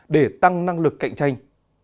để tăng năng lực cạnh tranh